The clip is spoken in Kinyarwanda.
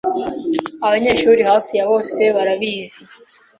Abanyeshuri hafi ya bose barabizi.